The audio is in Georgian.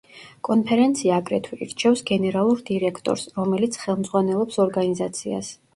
კონფერენცია აგრეთვე ირჩევს გენერალურ დირექტორს, რომელიც ხელმძღვანელობს ორგანიზაციას.